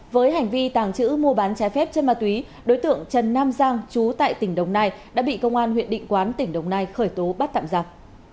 với hành vi tàng trữ mua bán trái phép chân ma túy đối tượng trần nam giang chú tại tỉnh đồng nai đã bị công an huyện định quán tỉnh đồng nai khởi tố bắt tạm giặc